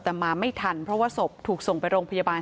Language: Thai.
แต่มาไม่ทันเพราะว่าศพถูกส่งไปโรงพยาบาล